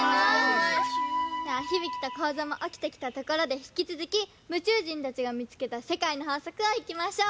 じゃあヒビキとコーゾーもおきてきたところでひきつづきむちゅう人たちが見つけた世界の法則をいきましょう。